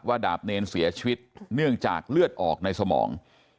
ดาบเนรเสียชีวิตเนื่องจากเลือดออกในสมอง